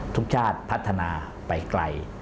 ทุกชาติพัฒนาไปไกล